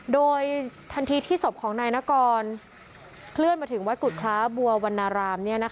โดยทันทีที่ศพของนายนกรเคลื่อนมาถึงวัดกุฎคล้าบัววันนาราม